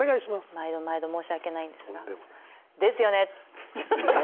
毎度毎度申し訳ないんですが「ですよね！」。